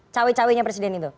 cawe cawe nya presiden itu